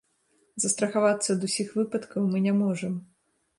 Застрахавацца ад усіх выпадкаў мы не можам.